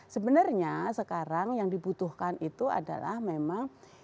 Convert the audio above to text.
sebenarnya sekarang yang dibutuhkan itu adalah memang